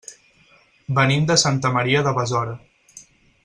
Venim de Santa Maria de Besora.